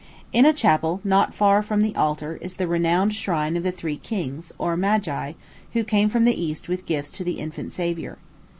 In a chapel not far from the altar is the renowned shrine of the Three Kings, or Magi, who came from the East with gifts to the infant Savior.